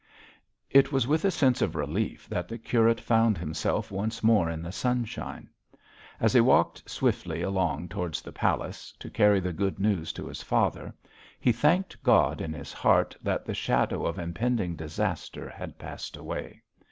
It was with a sense of relief that the curate found himself once more in the sunshine. As he walked swiftly along towards the palace, to carry the good news to his father, he thanked God in his heart that the shadow of impending disaster had passed away.